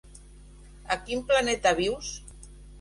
A quin planeta vius?